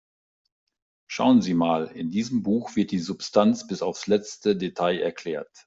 Schauen Sie mal, in diesem Buch wird die Substanz bis aufs letzte Detail erklärt.